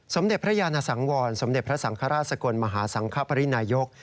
สมเด็จพระยานสังวรสมเด็จพระสังฆราชสกลมหาสังคปรินายก